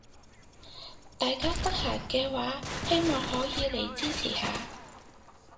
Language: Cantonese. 大家得閒嘅話希望可以嚟支持下